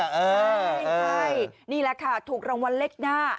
ใช่นี่แหละค่ะถูกรางวัลเลขหน้า